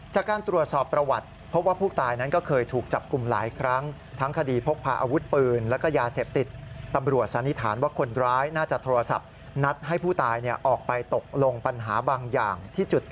จากการตรวจสอบประวัติพบว่าผู้ตายนั้นก็เคยถูกจับกุมหลายครั้ง